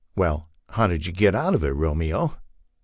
" Well, how did you get out of it, Romeo?